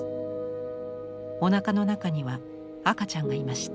おなかの中には赤ちゃんがいました。